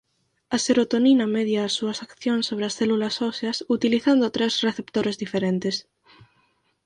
A serotonina media as súas accións sobre as células óseas utilizando tres receptores diferentes.